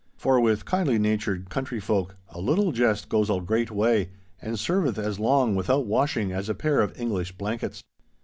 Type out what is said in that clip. For with kindly natured country folk a little jest goes a great way, and serveth as long without washing as a pair of English blankets.